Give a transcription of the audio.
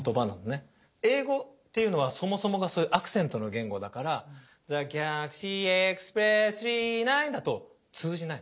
英語っていうのはそもそもがそういうアクセントの言語だから「ＴｈｅＧａｌａｘｙＥｘｐｒｅｓｓ９９９」だと通じない。